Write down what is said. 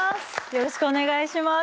よろしくお願いします！